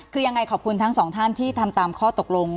คือยังไงขอบคุณทั้งสองท่านที่ทำตามข้อตกลง